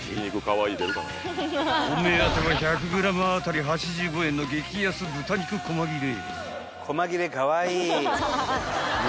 ［お目当ては１００ｇ当たり８５円の激安豚肉こま切れ］